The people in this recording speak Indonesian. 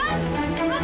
mas iksan cari kesana